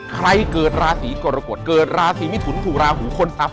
เกิดราศีกรกฎเกิดราศีมิถุนถูกราหูค้นทรัพย